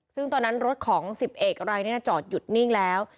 ซึ่งตอนนั้นรถของ๑๐เอกรายนี้จอดหยุดนิ่งแล้ว